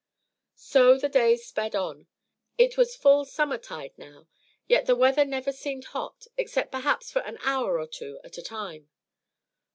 So the days sped on. It was full summer tide now; yet the weather never seemed hot, except perhaps for an hour or two at a time.